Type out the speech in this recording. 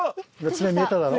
爪見えただろ？